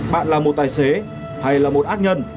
bạn là một tài xế hay là một ác nhân